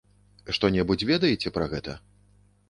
Што-небудзь ведаеце пра гэта?